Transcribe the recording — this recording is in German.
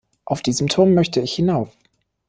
Auf diesen Turm möchte ich hinauf.